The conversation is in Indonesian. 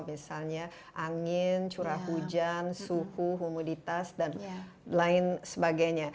misalnya angin curah hujan suhu humuditas dan lain sebagainya